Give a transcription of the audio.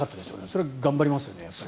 そりゃ、頑張りますよね。